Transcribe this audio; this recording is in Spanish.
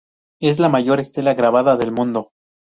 Es la mayor estela grabada del mundo.